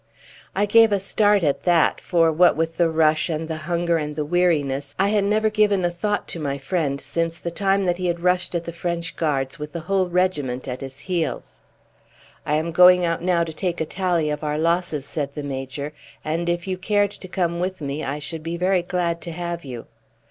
I gave a start at that, for what with the rush and the hunger and the weariness I had never given a thought to my friend since the time that he had rushed at the French Guards with the whole regiment at his heels. "I am going out now to take a tally of our losses," said the Major; "and if you cared to come with me, I should be very glad to have you."